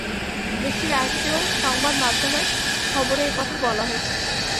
দেশটির রাষ্ট্রীয় সংবাদ মাধ্যমের খবরে এ কথা বলা হয়েছে।